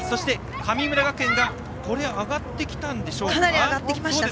神村学園が上がってきたんでしょうか。